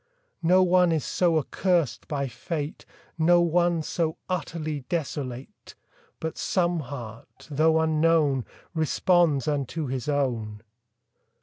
No one is so accursed by fate, No one so utterly desolate, But some heart, though unknown, Responds unto his own.